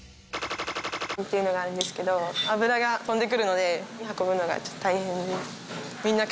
っていうのがあるんですけど、油が飛んでくるので運ぶのがちょっと大変です。